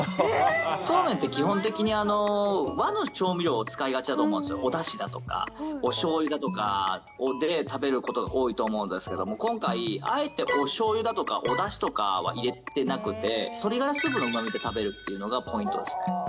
そうめんって基本的に、和の調味料を使いがちだと思うんですよ、おだしだとかおしょうゆだとかで食べることが多いと思うんですけれども、今回、あえてしょうゆだとかおだしとかは入れてなくて、鶏ガラスープのもとで食べるっていうのがポイントですね。